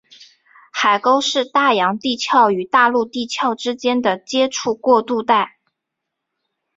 海沟是大洋地壳与大陆地壳之间的接触过渡带。